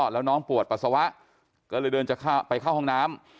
แล้วน้องปวดปัสสาวะก็เลยเดินจะไปเข้าห้องน้ำ